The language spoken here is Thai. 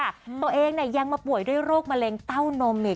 ตัวเองเนี่ยยังมาป่วยด้วยโรคมะเร็งเต้านมเนี่ย